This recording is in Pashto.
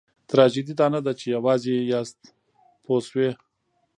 تراژیدي دا نه ده چې یوازې یاست پوه شوې!.